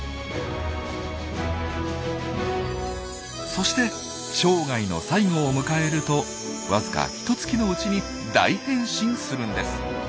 そして生涯の最後を迎えるとわずかひと月のうちに大変身するんです。